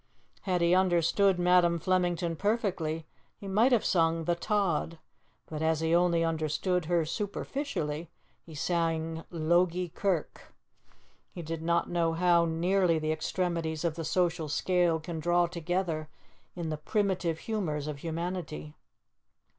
Had he understood Madam Flemington perfectly, he might have sung 'The Tod,' but as he only understood her superficially, he sang 'Logie Kirk.' He did not know how nearly the extremities of the social scale can draw together in the primitive humours of humanity.